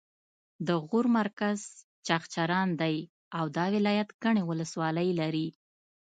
د غور مرکز چغچران دی او دا ولایت ګڼې ولسوالۍ لري